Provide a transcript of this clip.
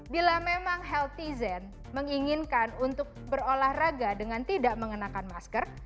bila memang healthy zen menginginkan untuk berolahraga dengan tidak mengenakan masker